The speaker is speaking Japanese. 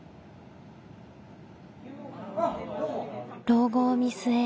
老後を見据え